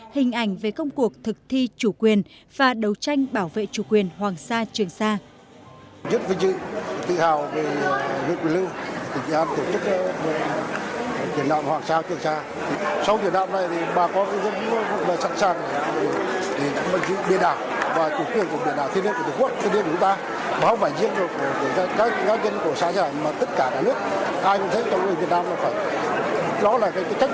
hình ảnh về công cuộc thực thi chủ quyền và đấu tranh bảo vệ chủ quyền hoàng sa trường sa